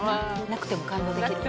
「なくても感動できる」